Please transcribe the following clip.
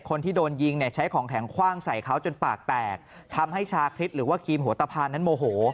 คนที่โดนยิงเนี่ยใช้ของแข็งคว่างใส่เขาจนปากแตกทำให้ชาคริสหรือว่าครีมหัวตะพานนั้นโมโห